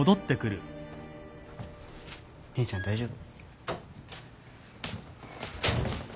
姉ちゃん大丈夫？